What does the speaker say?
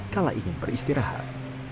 kala ingin beristirahat